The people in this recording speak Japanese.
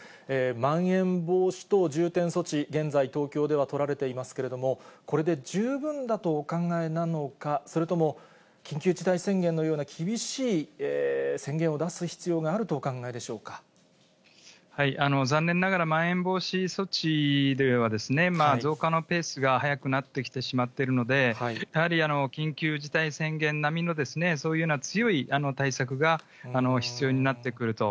まん延防止等重点措置、現在、東京では取られていますけれども、これで十分だとお考えなのか、それとも緊急事態宣言のような、厳しい宣言を出す必要があるとお残念ながら、まん延防止措置では、増加のペースが速くなってきてしまっているので、やはり緊急事態宣言なみのそういうような強い対策が必要になってくると。